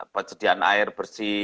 pencedian air bersih